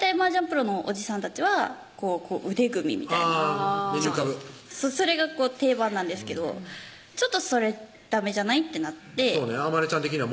プロのおじさんたちはこう腕組みみたいな目に浮かぶそれが定番なんですけどちょっとそれダメじゃない？ってなってそうね